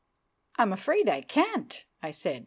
"I'm afraid I can't!" I said.